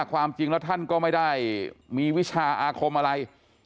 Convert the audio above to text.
ความจริงแล้วท่านก็ไม่ได้มีวิชาอาคมอะไร